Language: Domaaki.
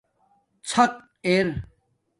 ݼق ار